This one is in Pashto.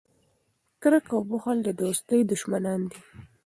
کرکه او بخل د دوستۍ دشمنان دي.